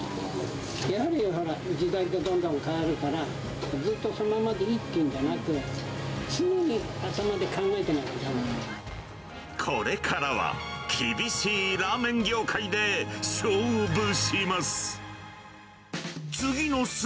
やはりほら、時代はどんどん変わるから、ずっとそのままでいいっていうんじゃなく、これからは厳しいラーメン業界で勝負します。